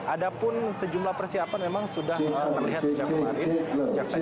ada pun sejumlah persiapan memang sudah terlihat sejak kemarin